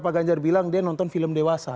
pak ganjar bilang dia nonton film dewasa